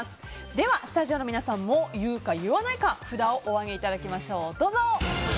では、スタジオの皆さんも言うか言わないか札をお上げいただきましょう。